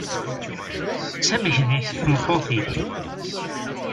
D tamekdit tmeṭṭut-ik?